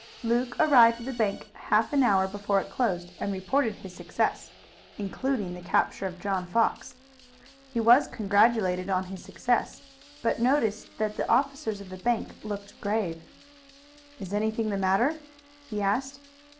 Luke arrived at the bank half an hour before it closed and reported his success, including the capture of John Fox. He was congratulated on his success, but noticed that the officers of the bank looked grave. "Is anything the matter?" he asked.